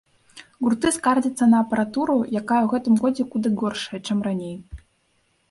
Гурты скардзяцца на апаратуру, якая ў гэтым годзе куды горшая, чым раней.